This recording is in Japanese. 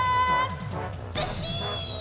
ずっしん！